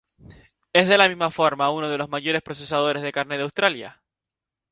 Es de la misma forma uno de los mayores procesadores de carne de Australia.